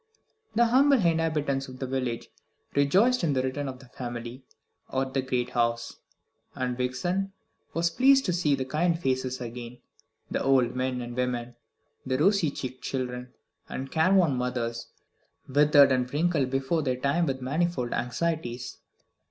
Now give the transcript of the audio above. The humble inhabitants of the village rejoiced in the return of the family at the great house, and Vixen was pleased to see the kind faces again, the old men and women, the rosy cheeked children, and careworn mothers, withered and wrinkled before their time with manifold anxieties.